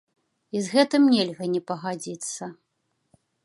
І з гэтым нельга не пагадзіцца.